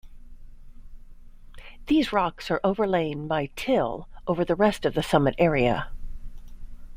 These rocks are overlain by till over the rest of the summit area.